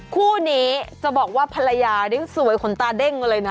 คู่นี้จะบอกว่าภรรยานี่สวยขนตาเด้งมาเลยนะ